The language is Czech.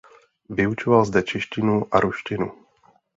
Vyučoval zde češtinu a ruštinu.